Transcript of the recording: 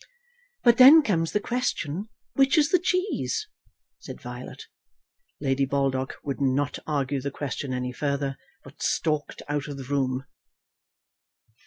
"But then comes the question, which is the cheese?" said Violet. Lady Baldock would not argue the question any further, but stalked out of the room.